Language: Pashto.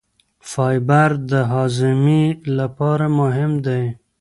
فایبر د هاضمې لپاره مهم دی.